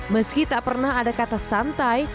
meski tak pernah ada kata santai